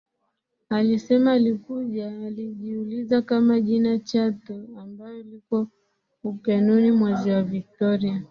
alisema alikuja alijiuliza kama jina Chato ambayo liko upenuni mwa Ziwa Victoria